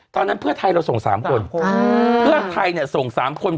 ตอนนั้นเพื่อไทยเราส่ง๓คนเพื่อไทยเนี่ยส่ง๓คน